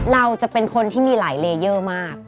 เราจะเป็นคนที่มีหลายเลเยอร์มาก